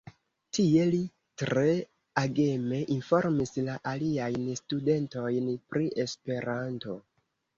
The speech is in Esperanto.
Tie li tre ageme informis la aliajn studentojn pri Esperanto.